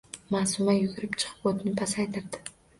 Maʼsuma yugurib chiqib, oʼtni pasaytirdi.